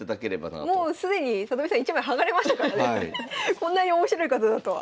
こんなに面白い方だとは。